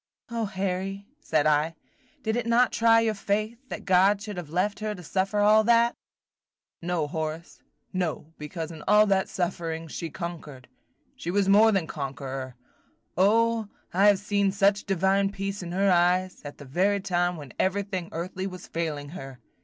"O Harry," said I, "did it not try your faith, that God should have left her to suffer all that?" "No, Horace, no, because in all that suffering she conquered, – she was more than conqueror. O, I have seen such divine peace in her eyes, at the very time when everything earthly was failing her!